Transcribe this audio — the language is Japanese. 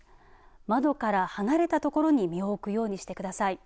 窓から離れたところに身を置くようにしてください。